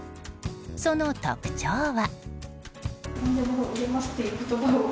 その特徴は。